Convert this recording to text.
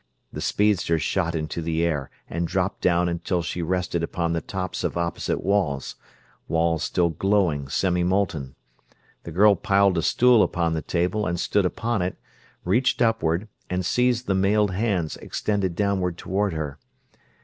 The speedster shot into the air and dropped down until she rested upon the tops of opposite walls; walls still glowing, semi molten. The girl piled a stool upon the table and stood upon it, reached upward, and seized the mailed hands extended downward toward her.